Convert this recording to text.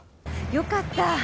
よかった。